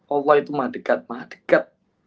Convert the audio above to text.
allah itu mah dekat mah dekat